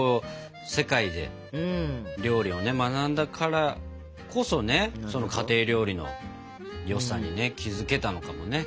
世界で料理を学んだからこそね家庭料理の良さにね気づけたのかもね。